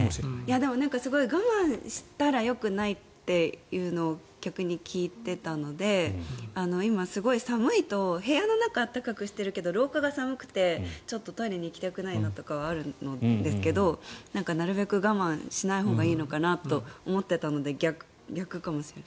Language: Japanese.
でも、我慢したらよくないっていうのを逆に聞いていたので今、すごい寒いと部屋の中は暖かくしているけど廊下が寒くてトイレに行きたくないなとかはあるんですけどなるべく我慢しないほうがいいのかなと思っていたので逆かもしれない。